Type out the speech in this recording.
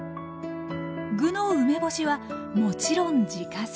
具の梅干しはもちろん自家製。